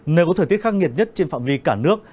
nơi có thời tiết khăng nhiệt nhất trên phạm vi cả nước